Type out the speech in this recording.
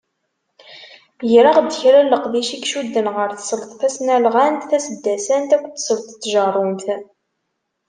Greɣ-d kra leqdic i icudden ɣer tesleḍt tasnalɣant taseddasant akked tesleḍt n tjerrumt.